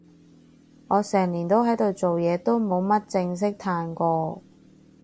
我成年都喺度做嘢，都冇乜正式嘆過